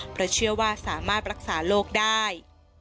เพราะเชื่อว่าสามารถรักษาโรคได้